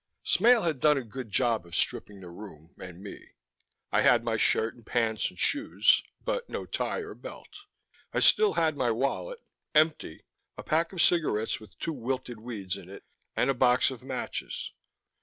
Smale had done a good job of stripping the room and me. I had my shirt and pants and shoes, but no tie or belt. I still had my wallet empty, a pack of cigarettes with two wilted weeds in it, and a box of matches.